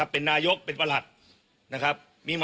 เป็นนายกเป็นประหลัฐ